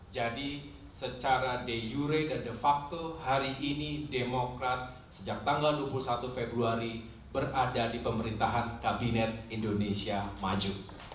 jadi secara de jure dan de facto hari ini demokrat sejak tanggal dua puluh satu februari berada di pemerintahan kabinet indonesia maju